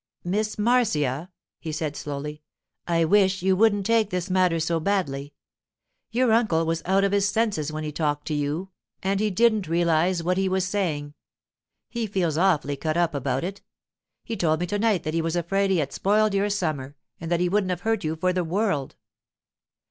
'Miss Marcia,' he said slowly, 'I wish you wouldn't take this matter so badly. Your uncle was out of his senses when he talked to you, and he didn't realize what he was saying. He feels awfully cut up about it. He told me to night that he was afraid he had spoiled your summer, and that he wouldn't have hurt you for the world.